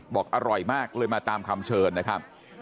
บอกอร่อยมากเลยมาตามคำเชิญนะครับ